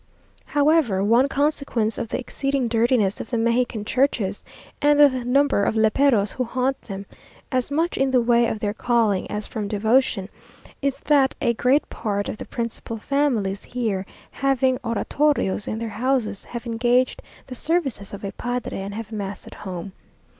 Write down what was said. However, one consequence of the exceeding dirtiness of the Mexican churches, and the number of léperos who haunt them, as much in the way of their calling as from devotion, is that a great part of the principal families here, having oratorios in their houses, have engaged the services of a padre, and have mass at home.